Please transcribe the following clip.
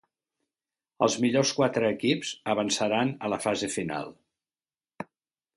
Els millors quatre equips avançaran a la fase final.